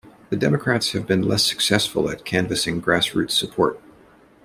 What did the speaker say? The Democrats have been less successful at canvassing grass-roots support.